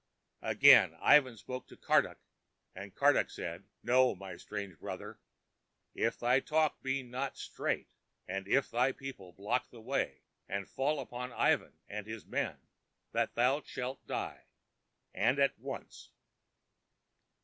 Again Ivan spoke to Karduk, and Karduk said: "Know, strange brother, if thy talk be not straight, and if thy people block the way and fall upon Ivan and his men, that thou shalt die, and at once."